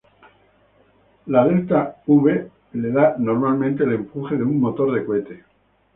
La delta-v la da normalmente el empuje de un motor de cohete.